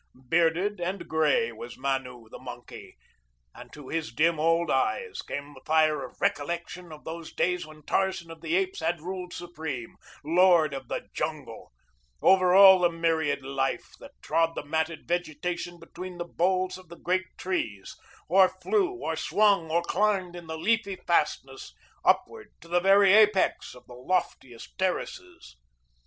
Bearded and gray was Manu, the monkey, and to his dim old eyes came the fire of recollection of those days when Tarzan of the Apes had ruled supreme, Lord of the Jungle, over all the myriad life that trod the matted vegetation between the boles of the great trees, or flew or swung or climbed in the leafy fastness upward to the very apex of the loftiest terraces.